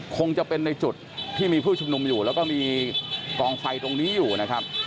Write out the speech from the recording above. คงจะเป็นในจุดที่มีผู้ชุมนุมอยู่แล้วก็มีกองไฟตรงนี้อยู่นะครับ